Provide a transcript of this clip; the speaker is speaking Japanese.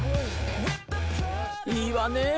「いいわねぇ。